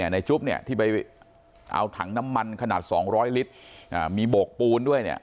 จุ๊บเนี่ยที่ไปเอาถังน้ำมันขนาด๒๐๐ลิตรมีโบกปูนด้วยเนี่ย